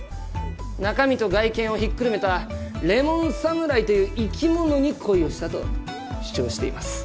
中身と外見をひっくるめたレモン侍という生き物に恋をしたと主張しています。